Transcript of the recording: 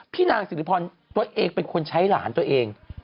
นางสิริพรตัวเองเป็นคนใช้หลานตัวเอง